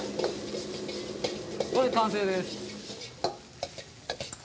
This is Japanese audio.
これで完成です